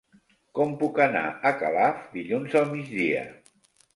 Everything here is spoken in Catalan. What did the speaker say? Com puc anar a Calaf dilluns al migdia?